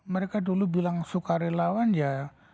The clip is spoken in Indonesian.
mereka dulu bilang sukarelawan ya